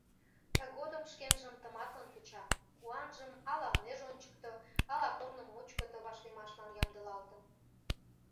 Тыгодым шкенжым тыматлын куча, куанжым ала ынеж ончыкто, ала корно мучко ты вашлиймашлан ямдылалтын.